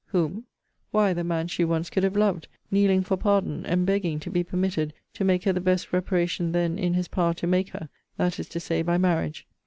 Whom? Why, the man she once could have loved, kneeling for pardon, and begging to be permitted to make her the best reparation then in his power to make her; that is to say, by marriage.